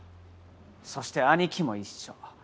そして兄貴も一緒。